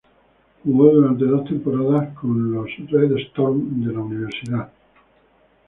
Jugó durante dos temporadas con los "Red Storm" de la Universidad St.